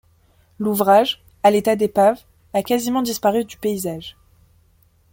L'ouvrage, à l'état d'épave, a quasiment disparu du paysage.